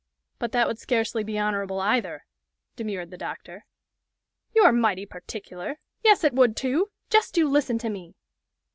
"But that would scarcely be honorable either," demurred the doctor. "You're mighty particular! Yes, it would, too! Jest you listen to me!